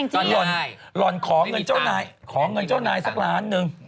หล่อนขอเงินเจ้าหน้าสักล้านหล่อนหนึ่ง